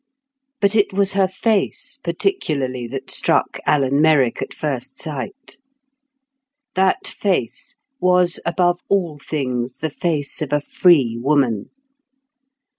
But it was her face particularly that struck Alan Merrick at first sight. That face was above all things the face of a free woman.